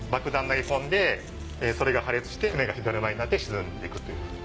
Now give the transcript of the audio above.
投げ込んでそれが破裂して船が火だるまになって沈んでいくっていう。